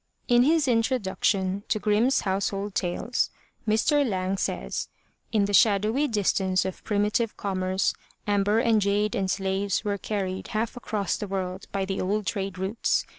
In his introduction to Grimm's Household 1 80 THE LATCH KEY Tales, Mr. Lang says, "In the shadowy distance of primitive commerce, amber and jade and slaves were carried half across the world by the old trade routes.